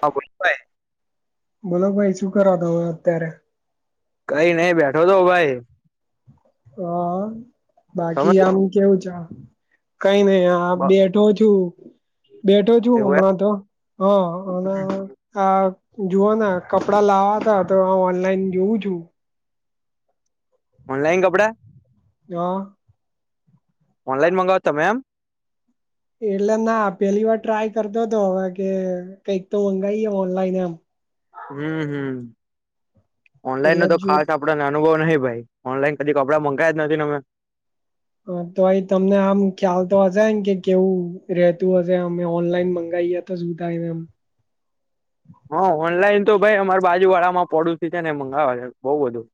હા બોલ. [unintelligible] બોલો ભાઈ શું કરાતા હમે અત્યારે? કઈ નઈ બેઠો તો ભાઈ. હા તમે બાકી આમ કેવું છે? કઈ નહ આ હ બેઠો છું બેઠો છું એવું હમણાં તો હ અને એમ હ જોુઓને કપડા લાવવા ત તો ઓનલાઈન જોઉં છું. ઓનલાઈન કપડા! હા. ઓનલાઈન મંગાવતા એમ. એટલે ના પેલી વાર ટ્રાય કરતોો હતો હવે કે કઈક તો મંગાઈએ એમ ઓનલાઈન એમ. હમ્મ હમ્મ ઓનલાઈન એટલે ન તો જ જો ખાસ આપ આપડાને અનુભવ નહીિ ભાઈ ઓનલાઈન કી કપડા મંગાય જ નથી ને અમે. હા તો આ તમને આમ ખ્યાલ તો હશે ને કે કેવું રેતું હશે અમે ઓનલાઈન મંગાવીએ. ત સૂતા એમ હા ઓનલાઈન તો ભાઈ અમાર બાજુ વાળા માં પડોશી છે ને મંગાવવા છે બઉુ બધું.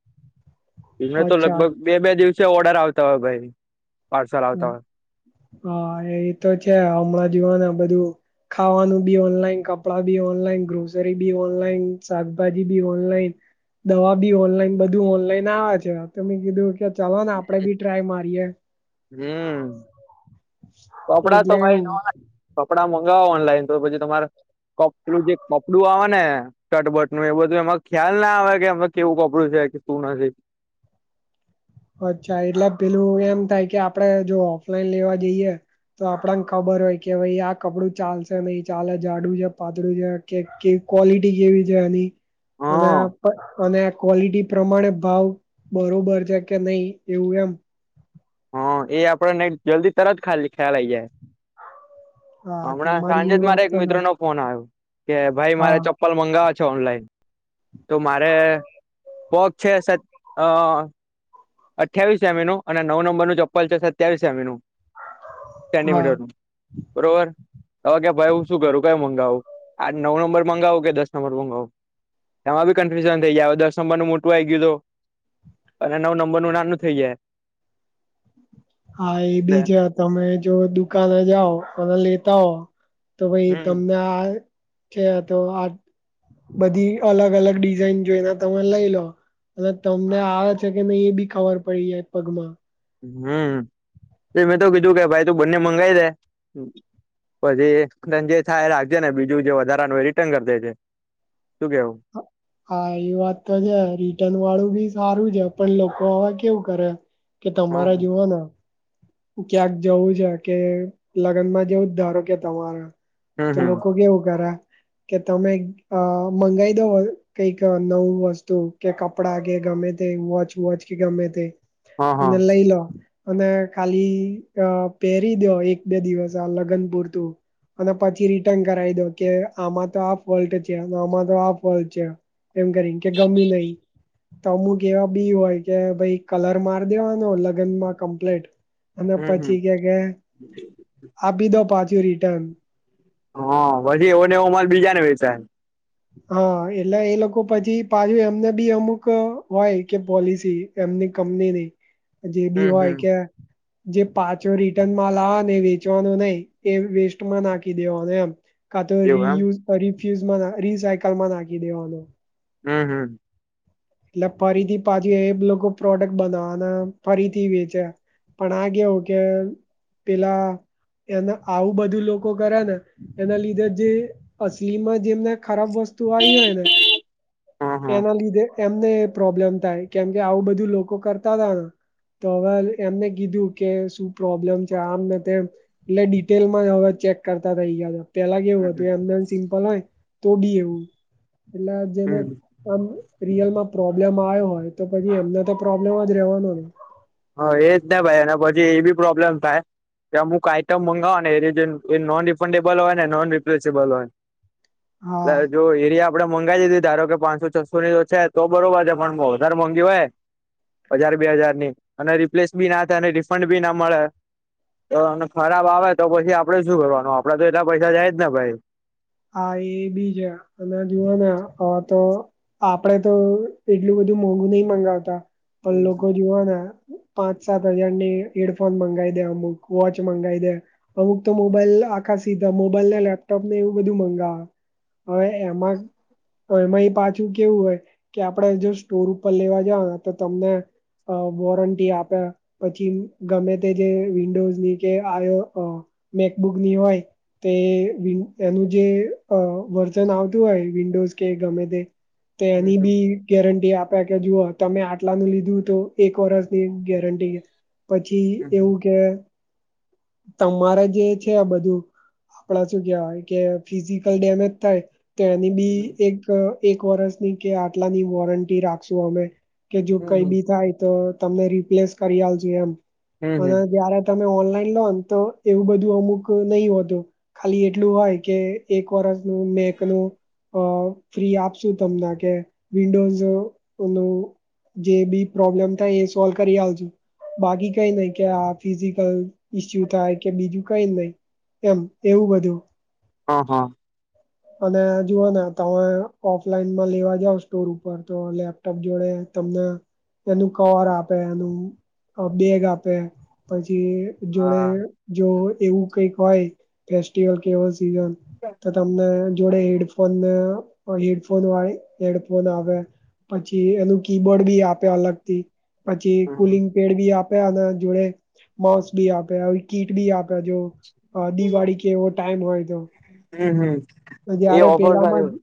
એમે તો અચ્છા લગભગ બે બે દિવસે ઓર્ડર આવતા હોય ભાઈ પાર્સલ આવતા હોય. હા એ તો છે હમણાં જવાને બધું ખાવાનું બી ઓનલાઈન, કપડાં બી ઓનલાઈન, ગ્રોસરી બી ઓનલાઈન, શાકભાજી બી ઓનલાઈન, દવા બી ઓનલાઈન બધું ઓનલાઈન આવે છે. તો મેં કીધું કે ચાલો ને આપડે બી ટ્રાય મારીએ. હમ્મ કપડા તો એટલે ભાઈ એવું નવા કપડા મંગાવો ઓનલાઈન તો પછી તમારે કપલું જે કપડું આવે ને શર્ટ બટનું એ બધું એમાં ખ્યાલ ના આવે કે એમને કેવું કપડું છે કે શું ના છે. અચ્છા એટલે પેલું એમ થાય કે આપડે જો ઓફલાઈન લેવા જઈએ. તો આપણાને ખબર હોય કે ભાઈ આ કપડું ચાલશે નહી ચાલે જાડું છે, પાતળું છે, કે ક્વોલિટી કેવી છે એની અને હા અને ક્વોલિટી પ્રમાણે ભાવ બરોબર છે કે નહી એવું એમ. હા એ આપડ ને જલ્દી તરત ખ્યાલ આવી જાય. હા હમણાં તમારી સાંજે એ જ મારે વાત એક તો મિત્ર નો સાચી ફોન આવ્યો કે ભાઈ મારે હા ચપ્પલ ચપ્પલ મંગાવવા છે ઓનલાઈન તો મારે પગ છે અઠવીસ એમ નું અને નવ નંબર નું ચપ્પલ છે સત્યાવીસ એમઇ નું હા સેન્ટીમીટરનું. બરોબર. હવે કે ભાઈ હું શું કરું કયો મગાવું આ નવ નંબર મગાવું કે દસ નંબર મગાવું. એમાં બી કન્ફ્યુઝન થઈ જાય દસ નંબર નું મોટું આ ગયું હતું અને નવ નંબર બનું નાનું થઈ જાય. હા એ એટલે બી છે તમે જો દુકાને જાઓ અને લેતા હો તો ભાઈ હમ તમને આ કે તો આ બધી અલગ અલગ ડિઝાઇન જોઈને તમે લઈ લો અને તમને આવે છે કે નને એ બી ખબર પડી જાય પગમાં. હમ્મ એ મેં તો કીધું કે ભાઈ તું બંને મંગાઈ દે પછી જે થાય એ રાખજે ને બીજું જે વધારાનું એ રિટર્ન કરી દે જે. તું કેવું? હા. હા એ વાત તો છે રિટર્ન વાળું બી સારું છે. પણ લોકો હવે કેવું કરે કે હા તમારા હા જેવા ક્યાંક જવું છે કે લગ્નમાં જેવું જ ધારો કે તમારે હમ તો હમ લોકો કેવું કરે કે તમે મંગાઈ દો કઈક નવું વસ્તુ કે ક કપડા કે ગમે તે વોચ વોચ કે ગમે તે અને લઈ લો અને ખાલી અ પહેરી દો એક બે દિવસ આ લગન પુરતું. અને પછી રિટર્ન કરાવી દો કે આમા આ ફોલ્ટ છે કે આમા આ ફોલ્ટ છે. એમ કરી કે ગમ્યું તો અમુક એવા બી હોય કે ભાઈ કલર માર દેવાનો લગ્નમાં કપલેટ. અને હમ હમ પછી કે કે આપી દો પાછું રિટર્ન હા એવો ને એવો માલ બીજા ને વેચાય. હા એટલે એ લોકો પછી પાછું એમને બી અમુક હોય કે પોલિસી એમની કમની નહી જે બી હમ હોય હમ કે જે પાછો રિટર્નમાં લાવવા ને વેચવાનો નહી એ વેસ્ટમાં નાખી દેવાનો એમ. કા તો એવું એમ રિયુઝ રીફ્યુઝમાં રીસાયકલમાં નાખી દેવાનો. હમ હમ. એટલે ફરીથી પાછી એ લોકો પ્રોડક્ટ બનાવવાના ફરીથી વેચે. પણ આ કેવું કે પેલા એના આવું બધું લોકો કરેને એના લીધે જે અસલીમાં જેમને ખરાબ વસ્તુ આવી હોય ને હા હા એના લીધેં એમને પ્રોબ્લેમ થાય કેમ કે આવું બધું લોકો કરતા હતા ને તો હવે એમને કીધું કે શું પ્રોબ્લેમ છે આમ ને તેમ એટલે ડિટેલ માં હવે ચેક કરતા થઇ ગયા છે. પેલા કેવું હતું એમનેમ સિમ્પલ હોય તો બી એવું એટલે જેને હમ આમ રિયલમાં પ્રોબ્લેમ હોય તો પછી એમને પ્રોબ્લેમ જ રહેવાનો. હા એજ ને ભાઈ એ પછી એ બી પ્રોબ્લેમ થાય. ત્યાં અમુક આઈટમ મગાવોને એ નોન રીફેટેબલ અને નોન રિલેશેબલ હોય. હા એટલે જો એરિયા આપડે મંગી દીધી ધારો કે પાંચસો છસો ની તો છે તો બરોબર છે પણ વધારે મોંઘી હોય હજાર બે હજારની અને રિપ્લેસ બી ના થાય અને રિફંડ બી ના મળે તો અમને ખરાબ આવે તો પછી આપડે શું કરવાનું [unintelligible] હા એ બી છે અને જુઓ ને હવે તો આપડે તો એટલું બધું મોગું નહીં મગાવતા પણ લોકો જોવોને પાંચ સાત હજારની હેડફોન મંગાવી દે અમુક વોચ મંગાવી દે અમુક તો મોબાઈલ આ આ સીધા મોબાઈલ ને લેપટોપ ને એવું બધું મંગાવ હવે એમ તો એમાં એ પાછું કેવું હોય કે આપડે જો સ્ટોર ઉપર લેવા જ તો તમને અ વોરંટી આપે પછી ગમે તે જે વિન્ડોની કે [unintelligible] તે વિ એનું જે અ વર્ઝન આવતું હોય વિડોઝ કે ગમે તે એનીબી ગેરંટી આપ્યા કે જુઓ તમે આટલાનું લીધું તો એક વર્ષની ગેરનટી પછી એવું કે તમારે જે છે આ બધું આપડા શું કેવાય કે ફિઝિકલ ડેમેજ થાય તો એની બી એક એક વરષની કે આટલા ની વોરંટી રાખશું અમે. કે જો કઈ હમ બી થાય તો તમને રિપ્લેસ કરી આપીશું એમ અને હમ જયારે તમે ઓનલાઈન લો તો એવું બધું અમુંક નહીં હોતું ખાલી [unintelligible] અ ફ્રી આપશું તમને કે વિડોઝનું જે બી પ્રોબ્લેમ થાય એ સોલ કરી આપીશું બાકી કઈ નહીં [unintelligible] ઈસ્યુ થાય કે બીજું કઈ નહી એમ હ હા. અને જુઓ ને તમે ઓફલાઈનમાં લેવા જાવ સ્ટોર ઉપર તો લેપ [unintelligible] જોડે તમને એનું કવર આપે એનું અ બેગ આપે પછી જોડે હા જો એવું કઈક હોય ફેસ્ટિવલ કે એવો સીઝન તો તમને જોડે હેડફોન અ હેડફોન હોય હેડફોન આવે. પછી એનું કીબોર્ડ બી આપે અલગ થી પછી કુલિંગ હમ પેડ ભી આપે અને જોડે માઉસ ભી આપે આવી કીટ ભી આપે જો અ દિવાળી કે એવો ટાઈમ હોય તો હમ્મ હમ્મ. તો જયારે પેલામાં જ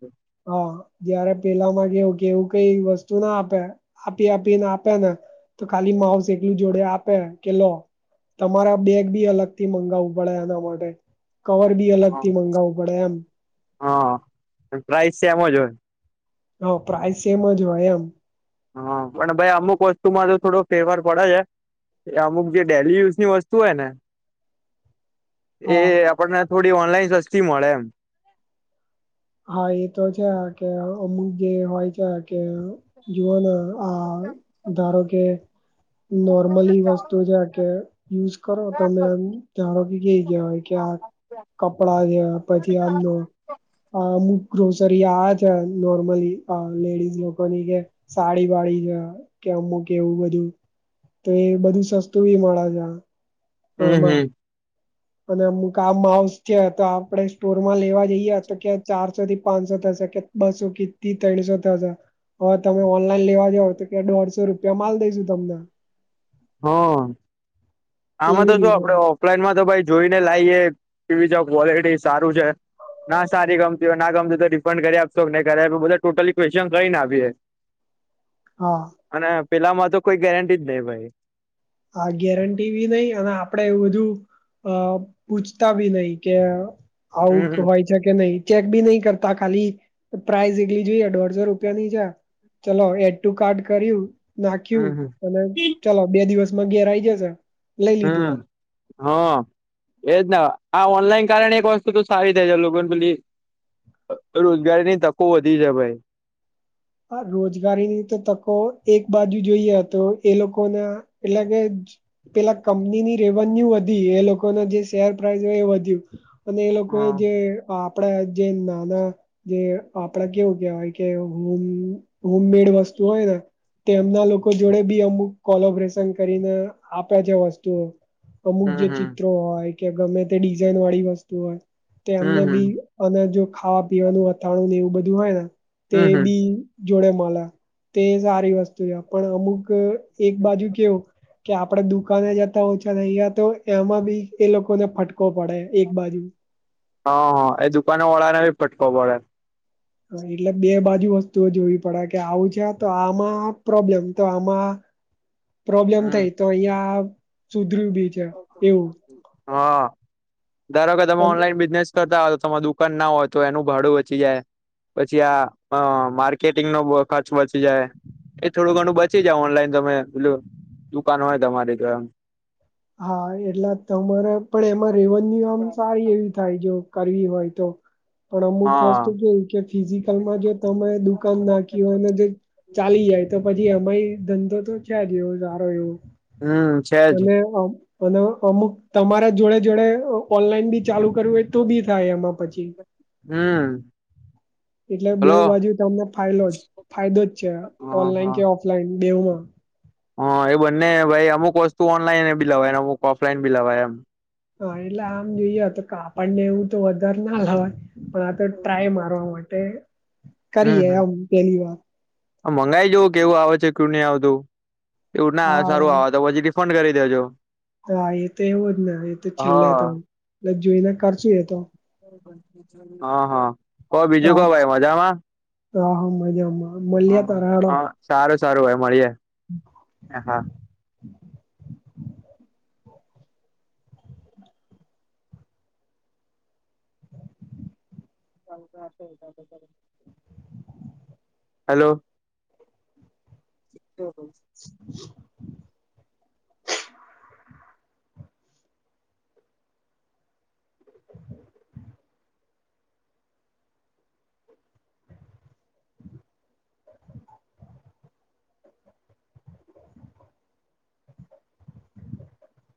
હા જયારે પેલા માં કેવું કેવું કઇ વસ્તુ ના આપે આપી આપીને આપે ને તો ખાલી માઉસ એકલું જોડે આપે કે લો તમારા બેગ બી અલગ થી મગાવવું પડે એના માટે કવર બી અલગ થી મગાવવું પડે એમ હા પ્રાઈઝ સેમ જ હોય હઓ પ્રાઈઝ સેમ જ હોય એમ હા પણ ભાઈ અમુક વસ્તુમાં તો થોડો ફેવર પડે છે એ અમુક જે ડેલી યુઝ ની વસ્તુ હોય ને એ હા આપણને થોડી ઓનલાઈન સસ્તી મળે એમ હા એ તો છે આ કે અમુક જે હોય છે કે જુઓના ઊત્તમ ધારો કે નોર્મલી વસ્તુ છે કે યુઝ કરો તમે આમ ધારો કે કેય ગયા હોય કે આ કપડા જે પછી આમનું અ અમુક ગ્રોસરી આવે છે નોર્મલી અ લેડીઝ લોકોની કે સાડી વાળી જ કે અમુક એવું બધું તો એ બધું સસ્તું બી મળે જા હું હું અને અમુક આ માઉસ છે તો આપડે સ્ટોરમાં લેવા જઈએ તો કે ચારસો થી પાંચસો થશે કે બસો કિતી તણસો થશે હવે તમે ઓનલાઈન લેવા જાવ તો કે દોઢસો રૂપિયા માલ દઈશુ તમને. હમ્મ આમાં તો એવી જો રીતે આપડે ઓ ઓફલાઈનમાં તો ભાઈ જોઈ ને લાઈએ કેવી જ ક્વોલિટી સારું છે. ના સારી ગમતી હોય ના ગમતી હોય તો રિફંડ કરી આપશો નય કરી આપો બધા ટોટલી ક્વેશ્ચન લઈને આપીએ હા અને પેલા માં તો કોઈ ગેરંટી જ નઈ ભાઈ આ ગેરંટી બી નઈ અને આપડે એવુ બધું અ પૂછતા બી નઈ કે હમ આવું હોય છે કે નહી ચેક બી નહી કરતા ખાલી પ્રાઇઝ એકલી જોઈએ દોઢસો રૂપિયા ની છે ચલો એડ ટુ કાર્ટ કર્યું નાખ્યું હમ અને ચલો બે દિવસમાં ઘેર આઇ જશે લઈ લીધું હમ્મ. હા એજ ને આ ઓનલાઈન કારણે એક વસ્તુ તો સારી થઈ જ લોકોને પેલી રોજગારીની તકો વધી છે ભાઈ હ રોજગારીની તો તકો એક બાજુ જોઈએ તો એ લોકોને એટલે કે જ પેલા કંપનીની રેવન્યુ વધી એ લોકોના જે શેર પ્રાઈઝ હોય એ વધ્યું અને એ લોકો એ હા જે આપડે જે નાના જે આપડા કેવું કેહેવાય કે હોમ હોમ મેડ વસ્તુ હોય ન તેમના લોકો જોડે બી અમુક કોલોબરેશન કરીને આપે છે વસ્તુઓ અમુક હમ જે હમ ચિત્રો હોય કે ગમે તે ડિઝાઇન વાળી વસ્તુ હોય તે હમ એમને બી હમ અને જો ખાવા પીવાનું અથાણું ને એવું બધું હોય ને તે હમ હમ બી જોડે મલ તે સારી વસ્તુ છે પણ અમુક એક બાજુ કેવું કે આપડે દુકાને જતા ઓછા નહીયા તો એમાં બી એ લોકોને ફટકો પડે એક બાજુ હ હા એ દુકાન વાળા ને ભી ફટકો પડે એટલે બે બાજુ વસ્તુઓ જોવી પડે કે આવું છે તો આમાં પ્રોબ્લેમ તો આમાં પ્રોબ્લેમ હમ થાય તો અહિયાં સુધર્યું બી છે એવું હા ધારો કે તમે પણ ઓનલાઈન બિઝનેસ કરતા હોય તો તમાર દુકાન ના હોય તો એનું ભાડું બચી જાય પછી આ માર્કેટિંગ નો ખર્ચ બચી જાય એ થોડું ઘણું બચી જ ઓનલાઈન તમે બલું દુકાન હોય તમારી તો એમ હા એટલા તમારે પણ એમાં રેવન્યુ આમ સારી એવી થાય જો કરવી હોય તો પણ અમુક હા વસ્તુ જોય કે ફિઝિકલમાં જો તમે દુકાન નાખી હોયને જે ચાલી જાય તો પછી અમારી ધંધો તો છે જ એવો સારો એવો હમ છે જ તમે અને અમુક તમારા જોડે જોડે ઓનલાઈન બી ચાલુ કરવું હોય તો બી થાય એમાં પછી હમ એટલે બેવ હલો બાજુ તમને ફાયલો જ ફાયદો જ છે હા ઓનલાઈન હા કે ઓફલાઈન બેવમાં હા એ બંને ભાઈ અમુક વસ્તુ ઓનલાઈન બી લવાય અમુક ઓફલાઈન બી લવાય એમ હા એટલે આમ જોઈએ તો કેા આપણને એવું તો વધારે ના લવાય પણ આ તો ટ્રાય મારવા માટે કરીએ આવું પેલી વાર મંગાઈ જવ કેવું આવે છે કેું નહી આવતું એવું ના હા સારું આવ તો પછી ફડ કરી દેજો હા એ તો એવો જ ને એ તો હ છેલ્લે તો એટલે જોઈને કરશું એ તો હા હા ક બીજું ક ભાઈ મજામાં તોાહમ મજામાં હ મળ્યા તા હેડો હ સારું સારું હોય મળીએે હા ચાલ હલો. [inaudible] હ [unintelligible]